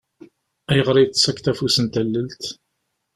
Ayɣer i iyi-d-tettakkeḍ afus n talalt?